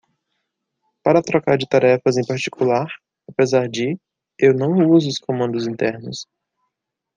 Para troca de tarefas em particular? apesar de? eu não uso os comandos internos.